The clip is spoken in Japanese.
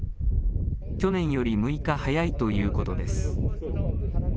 去年より６日早いということです。